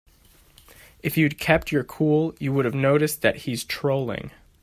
If you'd kept your cool, you would've noticed that he's trolling.